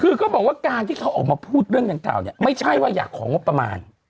คือเขาบอกว่าการที่เขาออกมาพูดเรื่องดังกล่าวเนี่ยไม่ใช่ว่าอยากของงบประมาณ